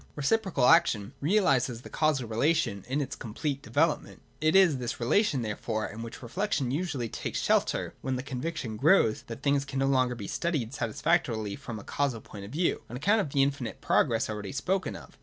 Reciprocal action realises the causal relation in its com plete development. It is this relation, therefore, in which reflection usually takes shelter when the conviction grows that 156.] ACTION AND REACTION, 281 things can no longer be studied satisfactorily from a causal point of view, on account of the infinite progress already spoken of.